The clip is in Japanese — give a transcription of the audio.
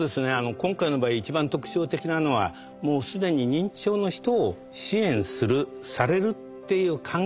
今回の場合一番特徴的なのはもう既に認知症の人を支援する・されるっていう関係じゃないとこですね。